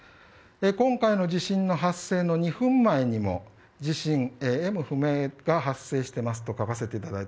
今回の地震の発生の２分前にも地震が発生しています。